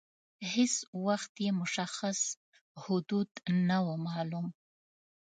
هیڅ وخت یې مشخص حدود نه وه معلوم.